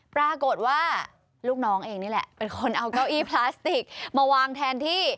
ปรากฏว่าลูกน้องเองนี่แหละเป็นคนเอาเก้าอี้พลาสติกมาวางแทนที่